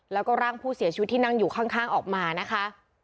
แล้วก็ร่างผู้เสียชีวิตที่นั่งอยู่ข้างออกมานะคะ